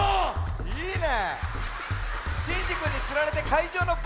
いいね。